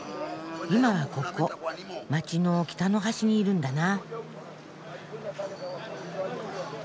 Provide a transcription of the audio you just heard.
今はここ街の北の端にいるんだな。